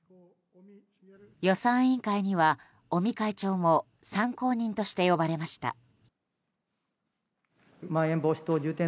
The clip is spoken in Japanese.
予算委員会には、尾身会長も参考人として呼ばれました。